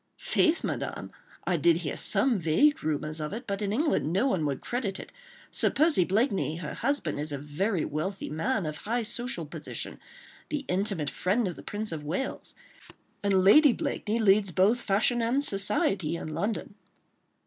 "Faith, Madame, I did hear some vague rumours of it, but in England no one would credit it. ... Sir Percy Blakeney, her husband, is a very wealthy man, of high social position, the intimate friend of the Prince of Wales ... and Lady Blakeney leads both fashion and society in London."